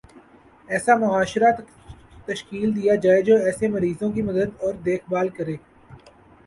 ایسا معاشرہ تشکیل دیا جائےجو ایسے مریضوں کی مدد اور دیکھ بھال کرے